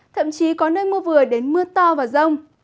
thậm chí có nơi mưa vừa đến mưa to và rông